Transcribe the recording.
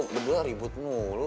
lo berdua ribut mulu